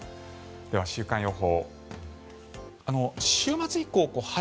では、週間予報。